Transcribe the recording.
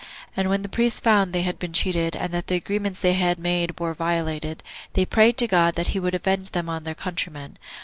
And when the priests found they had been cheated, and that the agreements they had made were violated, they prayed to God that he would avenge them on their countrymen.